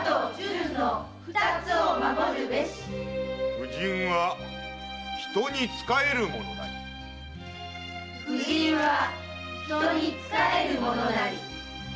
「婦人は人につかえるものなり」「婦人は人につかえるものなり」